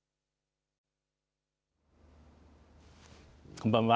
こんばんは。